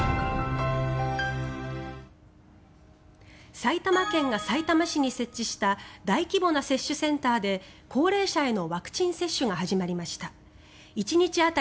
埼玉県がさいたま市に設置した大規模な接種センターで高齢者へのワクチン接種が始まりました。